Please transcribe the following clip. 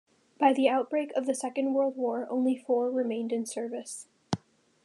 By the outbreak of the Second World War, only four remained in service.